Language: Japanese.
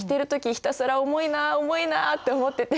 ひたすら重いな重いなって思ってて。